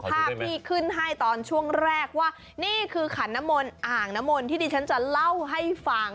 ภาพที่ขึ้นให้ตอนช่วงแรกว่านี่คือขันน้ำมนต์อ่างน้ำมนที่ดิฉันจะเล่าให้ฟัง